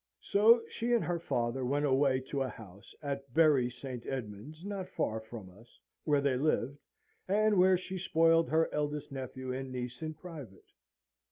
So she and her father went away to a house at Bury St. Edmunds, not far from us, where they lived, and where she spoiled her eldest nephew and niece in private.